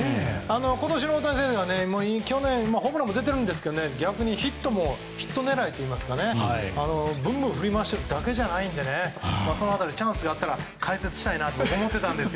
今年の大谷選手は去年もホームランが出ていますが逆にヒット狙いといいますかブンブン振り回しているだけじゃないのでその辺り、チャンスがあれば解説したいと思っていたんです。